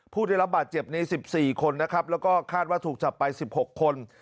ผู้ได้รับบาดเจ็บใน๑๔คนนะครับแล้วก็คาดว่าถูกจับไป๑๖คน